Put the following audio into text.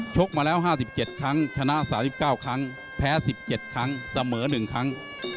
กมาแล้ว๕๗ครั้งชนะ๓๙ครั้งแพ้๑๗ครั้งเสมอ๑ครั้ง